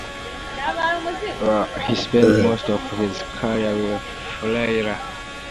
He spent most of his career with Lyra.